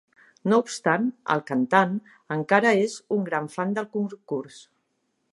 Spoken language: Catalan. No obstant, el cantant encara és un gran fan del concurs.